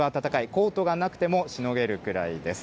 コートがなくてもしのげるぐらいです。